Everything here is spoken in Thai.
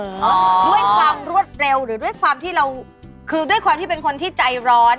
ด้วยความรวดเร็วหรือด้วยความที่เราคือด้วยความที่เป็นคนที่ใจร้อน